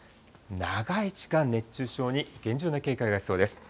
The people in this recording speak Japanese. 長い時間、熱中症に厳重な警戒が必要です。